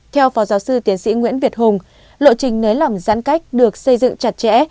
theo phó giáo sư tiến sĩ nguyễn việt hùng lộ trình nới lỏng giãn cách được xây dựng chặt chẽ